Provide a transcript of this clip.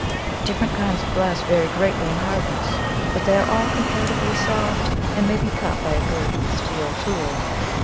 Different kinds of glass vary greatly in hardness, but they are all comparatively soft and may be cut by a good steel tool.